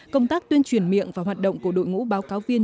công tác tuyên truyền miệng và hoạt động của đội ngũ báo cáo viên